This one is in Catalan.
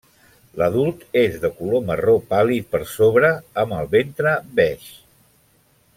L'adult és de color marró pàl·lid per sobre, amb el ventre beix.